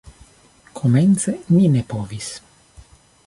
Komence ni ne povis.